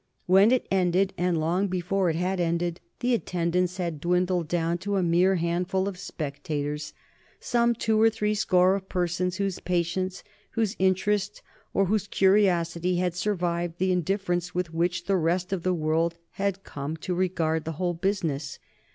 When it ended, and long before it had ended, the attendance had dwindled down to a mere handful of spectators, some two or three score of persons whose patience, whose interest, or whose curiosity had survived the indifference with which the rest of the world had come to regard the whole business.